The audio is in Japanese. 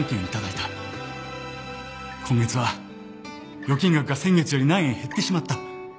今月は預金額が先月より何円減ってしまった。